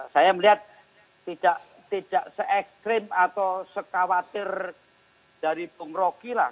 saya melihat tidak se extreme atau se khawatir dari bung rohi lah